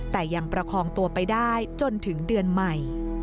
แต่ยังประคองตัวไปได้จนถึงเดือนใหม่